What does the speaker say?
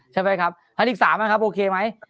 ไทยลีก๓นะครับโอเคไหม